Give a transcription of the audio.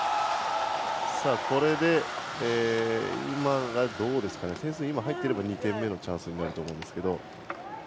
これで点数が入っていれば２点目のチャンスになると思うんですが。